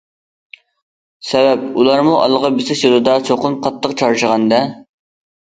سەۋەب، ئۇلارمۇ ئالغا بېسىش يولىدا چوقۇم قاتتىق چارچىغان- دە.